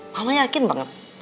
mama yakin banget